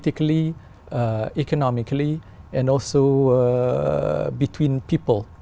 trong lĩnh vực trong lĩnh vực xã hội